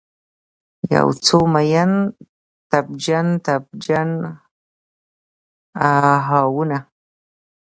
یوڅو میین، تبجن، تبجن آهونه